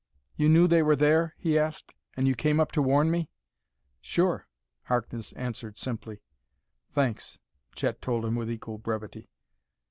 "You knew they were there?" he asked, " and you came up to warn me?" "Sure," Harkness answered simply. "Thanks," Chet told him with equal brevity.